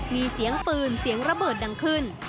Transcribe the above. มีเสียงปืนเสียงระเบิดดังขึ้น